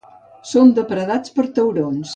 Són depredats per taurons.